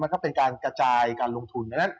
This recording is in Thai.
มันก็เป็นการกระจายการลงทุน